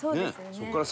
そこから。